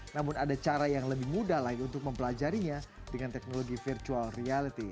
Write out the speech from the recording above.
namun ada cara yang lebih mudah lagi untuk mempelajarinya dengan teknologi virtual reality